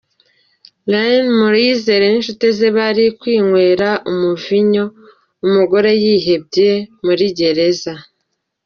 Lin Muyizere n’inshuti ze bari kwinywera umuvinyo, umugore yihebye muri gereza